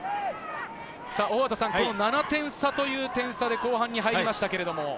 大畑さん、７点差という点差で後半に入りました。